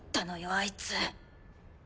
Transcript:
あいつ。